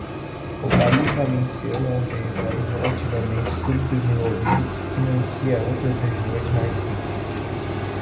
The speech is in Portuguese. O País Valenciano é um território relativamente subdesenvolvido que financia outras regiões mais ricas.